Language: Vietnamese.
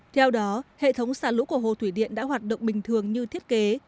theo đó hệ thống xả lũ của hồ thủy điện đã hoạt động bình thường như thiết kế